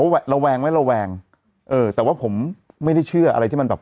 ระแวงไหมระแวงเออแต่ว่าผมไม่ได้เชื่ออะไรที่มันแบบ